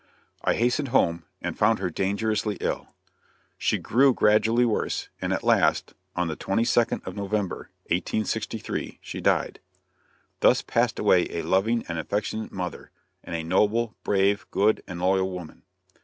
I hastened home, and found her dangerously ill. She grew gradually worse, and at last, on the 22d of November, 1863, she died. Thus passed away a loving and affectionate mother and a noble, brave, good and loyal woman.